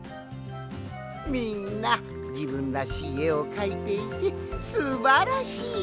みんなじぶんらしいえをかいていてすばらしいぞい！